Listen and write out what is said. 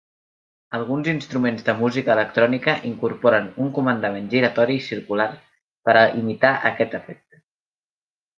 Alguns instruments de música electrònica incorporen un comandament giratori circular per a imitar aquest efecte.